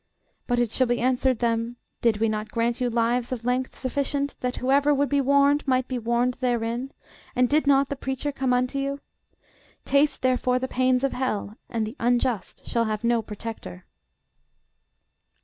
But it shall be answered them, Did we not grant you lives of length sufficient, that whoever would be warned might be warned therein; and did not the preacher come unto you? Taste therefore the pains of hell. And the unjust shall have no protector.